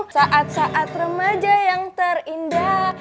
saat saat remaja yang terindah